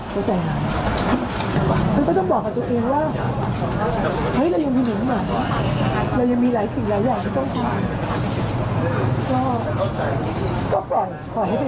ก็ต้องบอกตัวเองว่ามีหลายสิ่งหลายอย่างก็ปล่อยให้เป็น